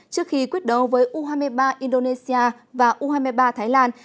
trước khi quyết đấu với u hai mươi ba indonesia và u hai mươi ba thái lan